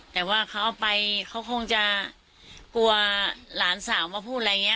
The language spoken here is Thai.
แต่ว่าเขาเอาไปเขาคงจะกลัวหลานสาวมาพูดอะไรอย่างนี้